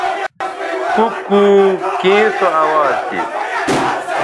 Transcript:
کُوکُو کیں سو اواز تھی؟